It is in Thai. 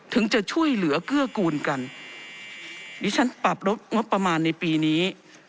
ถึงจะช่วยเหลือเกื้อกูลกันดิฉันปรับลดงบประมาณในปีนี้